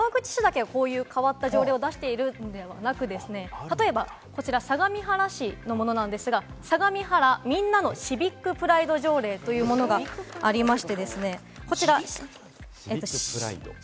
川口市だけはこういう変わった条例を出しているんではなくて、例えば、相模原市のものなんですが、「さがみはらみんなのシビックプライド条例」というものがあります。